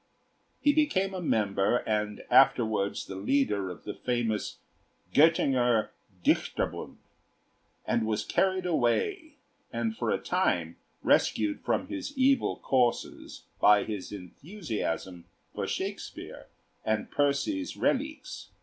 He became a member and afterwards the leader of the famous "Göttinger Dichterbund," and was carried away and for a time rescued from his evil courses by his enthusiasm for Shakespeare and Percy's 'Reliques.'